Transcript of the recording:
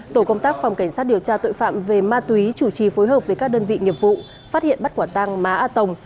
tổ công tác phòng cảnh sát điều tra tội phạm về ma túy chủ trì phối hợp với các đơn vị nghiệp vụ phát hiện bắt quả tang má a tổng